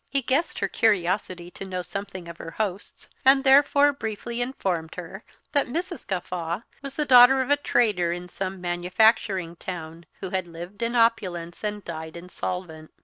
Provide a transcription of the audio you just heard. He guessed her curiosity to know something of her hosts, and therefore briefly informed her that Mrs. Gawffaw was the daughter of a trader in some manufacturing town, who had lived in opulence and died insolvent.